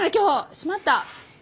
しまった。